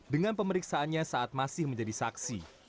dengan pemeriksaannya saat masih menjadi saksi